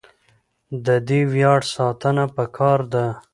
د دې ویاړ ساتنه پکار ده.